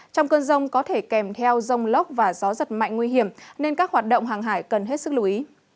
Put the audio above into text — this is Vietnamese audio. trong cơn rông có thể kèm theo rông lốc và gió giật mạnh nguy hiểm nên các hoạt động hàng hải cần hết sức lưu ý